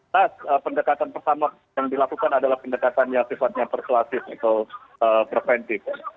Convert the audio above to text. pas pendekatan pertama yang dilakukan adalah pendekatannya sifatnya persuasif atau preventif